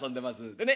でね